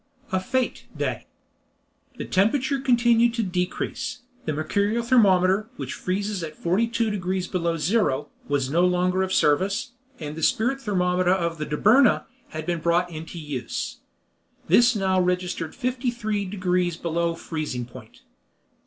A FETE DAY The temperature continued to decrease; the mercurial thermometer, which freezes at 42 degrees below zero, was no longer of service, and the spirit thermometer of the Dobryna had been brought into use. This now registered 53 degrees below freezing point.